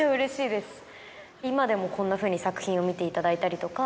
今でもこんなふうに作品を見ていただいたりとか。